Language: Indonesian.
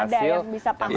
belum ada yang bisa paham